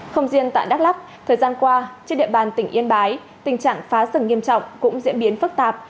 không riêng tại đắk lắk thời gian qua trên địa bàn tỉnh yên bái tình trạng phá rừng nghiêm trọng cũng diễn biến phức tạp